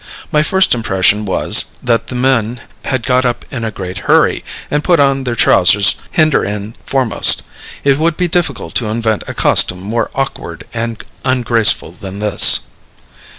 My first impression was, that the men had got up in a great hurry, and put on their trousers hinder end foremost. It would be difficult to invent a costume more awkward and ungraceful than this.